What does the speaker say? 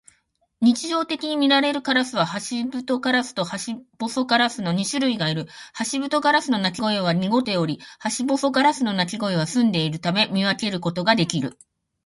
日常的にみられるカラスはハシブトガラスとハシボソガラスの二種類がいる。ハシブトガラスの鳴き声は濁っており、ハシボソガラスの鳴き声は澄んでいるため、見分けることができる。